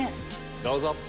どうぞ。